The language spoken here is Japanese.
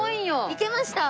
いけました！